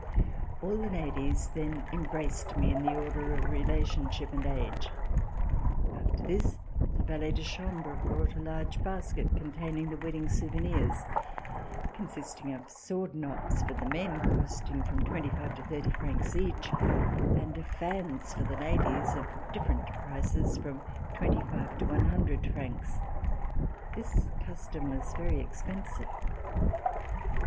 All the ladies then embraced me In the order of relationship and age. After this a valet de chambre C44] MARRIAGE, PRESENTATION AT COURT brought a large basket containing the wedding souvenirs, consisting of sword knots for the men, costing from twenty five to thirty francs each, and of fans for the ladies, of different prices from twenty five to one hundred francs. This custom was very expensive.